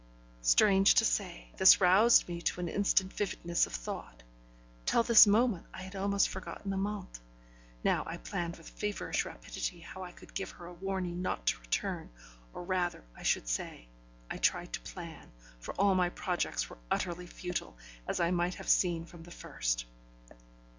Strange to say, this roused me to instant vividness of thought. Till this moment I had almost forgotten Amante; now I planned with feverish rapidity how I could give her a warning not to return; or rather, I should say, I tried to plan, for all my projects were utterly futile, as I might have seen from the first.